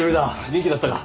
元気だったか？